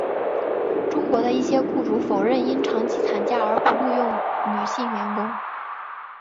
中国的一些雇主否认因长期产假而不录用女性员工。